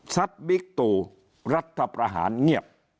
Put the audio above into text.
สัตว์บิ๊กตูรัฐพรหารเงียบ